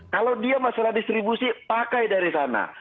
kalau dia masalah distribusi pakai dari sana